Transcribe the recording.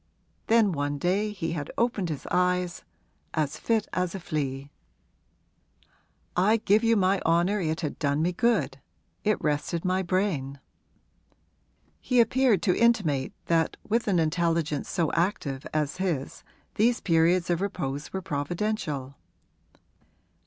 Then one day he had opened his eyes as fit as a flea! 'I give you my honour it had done me good it rested my brain.' He appeared to intimate that with an intelligence so active as his these periods of repose were providential.